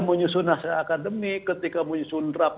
menyusun naskah akademik ketika menyusun draft